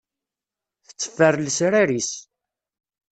Tetteffer lesrar-is.